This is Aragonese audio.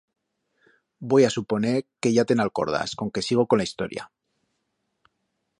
Voi a suponer que ya te'n alcordas, conque sigo con la historia.